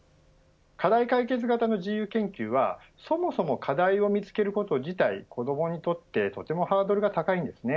課題解決型の自由研究はそもそも課題を見つけること自体子どもにとってとてもハードルが高いです。